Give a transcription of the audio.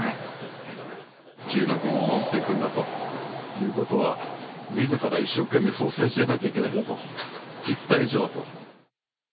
自由な言論を守っていくんだということは、みずから一生懸命率先してやらなきゃいけないと、言った以上はと。